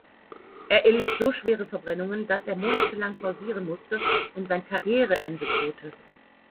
Er erlitt so schwere Verbrennungen, dass er monatelang pausieren musste und sein Karriereende drohte.